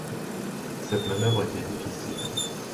Cette manœuvre était difficile.